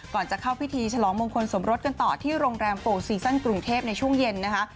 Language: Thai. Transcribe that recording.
ก่อนจะเข้าพิธีฉลองมงคลสมรสกันต่อที่โรงแรมโปรซีซั่นกรุงเทพในช่วงเย็นนะคะ